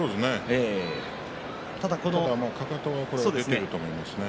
ただ、かかとが出ていると思いますね。